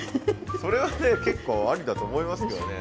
それはね結構ありだと思いますけどね。